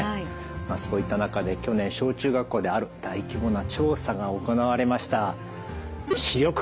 そういった中で去年小中学校である大規模な調査が行われました。